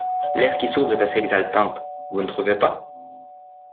L’ère qui s’ouvre est assez exaltante, vous ne trouvez pas?